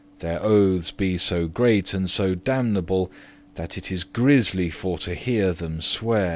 Their oathes be so great and so damnable, That it is grisly* for to hear them swear.